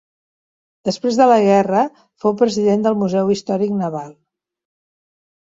Després de la guerra fou president del Museu Històric Naval.